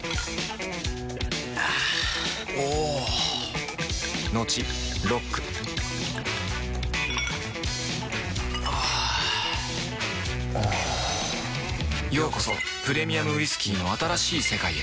あぁおぉトクトクあぁおぉようこそプレミアムウイスキーの新しい世界へ